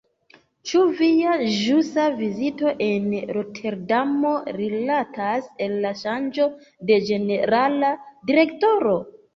Ĉu via ĵusa vizito en Roterdamo rilatas al la ŝanĝo de ĝenerala direktoro?